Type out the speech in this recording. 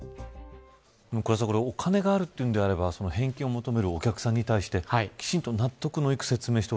倉田さん、お金があるというのであれば、返金を求めるお客さんに対してきちんと納得のいく説明